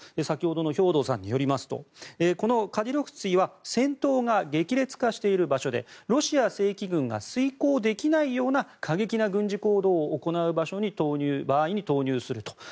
先ほどの兵頭さんによりますとこのカディロフツィは戦闘が激烈化している場所でロシア正規軍が遂行できないような過激な軍事行動を行う場合に投入すると。